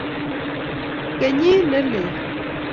Kenyit ne lel